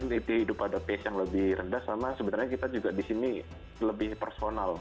hidup pada pace yang lebih rendah sama sebenarnya kita juga disini lebih personal